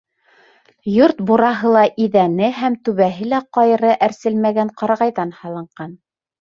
Йорт бураһы ла, иҙәне һәм түбәһе лә ҡайыры әрселмәгән ҡарағайҙан һалынған.